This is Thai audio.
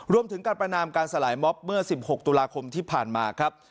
รวมถึงการประนามการสลายม็อบเมื่อ๑๖ตุลาคมที่ผ่านมาครับ